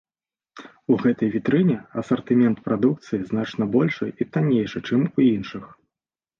У гэтай вітрыне асартымент прадукцыі значна большы і таннейшы, чым у іншых.